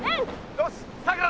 よしさくら